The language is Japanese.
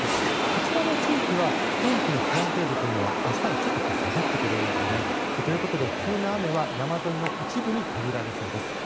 こちらの地域は天気の不安定度というのは明日はちょっと下がってくれるんですね。ということで急な雨は山沿い一部に限られそうです。